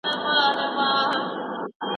زهرة حنکير ژورنالېسته ده او د کلتور په اړه ليکي.